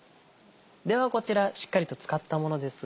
ではこちらしっかりと漬かったものですが。